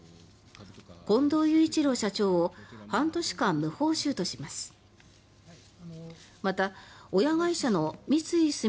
近藤雄一郎社長を半年間無報酬とします。